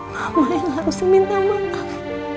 mama yang harusnya minta maaf